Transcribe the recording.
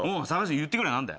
言ってくれよ何だよ？